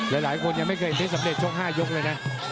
หลายคนยังไม่เคยเห็นสำเร็จชก๕ยกเลยนะ